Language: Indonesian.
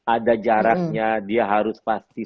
ada jaraknya dia harus pasti